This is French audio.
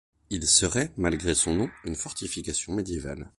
Il serait, malgré son nom, une fortification médiévale.